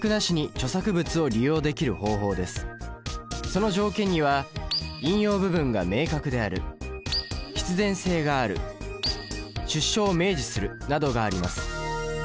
その条件には「引用部分」が明確である「必然性」がある「出所を明示」するなどがあります。